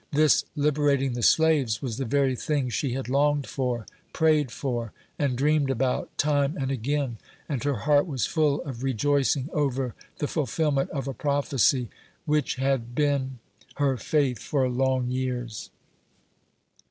This liberating the slaves was the very thing she had longed for, prayed for, and dreamed about, time and again ; and heir heart was full of rejoicing over the fulfilment of a prophecy which had been her faith for long years.